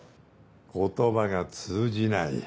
言葉が通じない